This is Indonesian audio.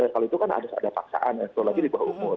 kalau itu kan ada paksaan apalagi di bawah umur